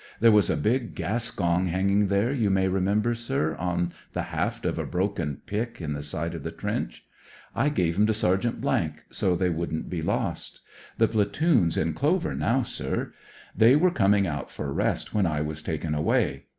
There was a big gas gong hanging there, you may remem ber, sir, on the haft of a broken pick in the side of the trench. I gave 'em to Sergeant , so they wouldn't be lost. The platoon's in clover now, sir. They were coming out for rest when I was taken away.